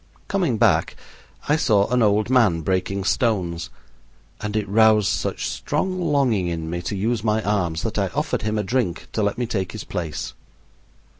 Coming back, I saw an old man breaking stones, and it roused such strong longing in me to use my arms that I offered him a drink to let me take his place.